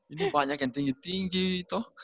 ini banyak yang tinggi tinggi itu